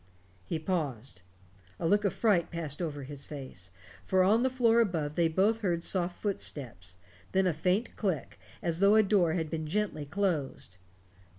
He paused. A look of fright passed over his face. For on the floor above they both heard soft footsteps then a faint click, as though a door had been gently closed.